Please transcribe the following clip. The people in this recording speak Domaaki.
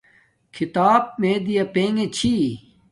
کھیتاپ مے پیے چھی